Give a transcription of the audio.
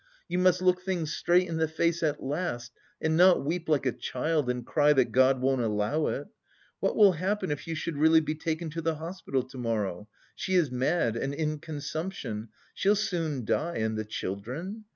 You must look things straight in the face at last, and not weep like a child and cry that God won't allow it. What will happen, if you should really be taken to the hospital to morrow? She is mad and in consumption, she'll soon die and the children?